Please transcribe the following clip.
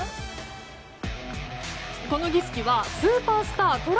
この儀式はスーパースタート